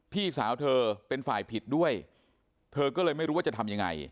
พี่สาวเธอเป็นฝ่ายผิดด้วยเธอก็เลยไม่รู้ว่าจะทำยังไง